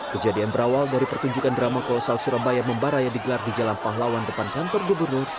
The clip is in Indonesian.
kejadian berawal dari pertunjukan drama kolosal surabaya membara yang digelar di jalan pahlawan depan kantor gubernur